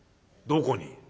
「どこに？」。